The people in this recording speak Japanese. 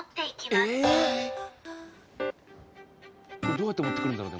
どうやって持ってくるんだろう？